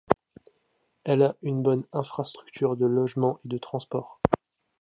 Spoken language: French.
Elle a une bonne infrastructure de logements et de transports.